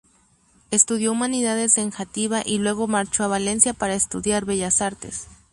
Estudió Humanidades en Játiva y luego marchó a Valencia para estudiar Bellas Artes.